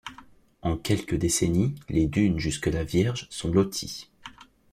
En quelques décennies, les dunes jusque-là vierges sont loties.